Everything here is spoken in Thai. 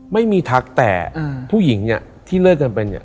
ไม่มีทักแต่ผู้หญิงที่เลิกกันเป็น